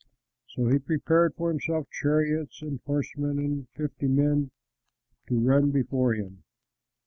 So he prepared for himself chariots and horsemen and fifty men to run before him.